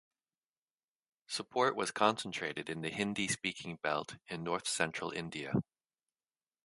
Support was concentrated in the Hindi-speaking belt in North-central India.